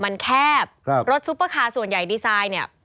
มันแคบครับรถซุปเปอร์คาร์ส่วนใหญ่ดีไซน์เนี่ย